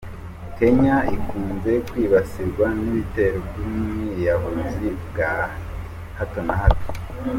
Kenya ikunze kwibasirwa n’ibitero by’ubwiyahuzi bwa hato na hato.